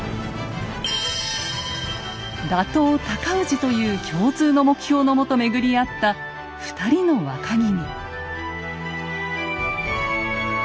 打倒尊氏という共通の目標のもと巡り合った２人の若君。